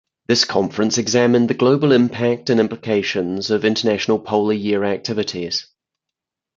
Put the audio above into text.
This conference examined the global impact and implications of International Polar Year activities.